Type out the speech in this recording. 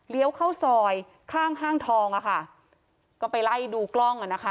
เข้าซอยข้างห้างทองอ่ะค่ะก็ไปไล่ดูกล้องอ่ะนะคะ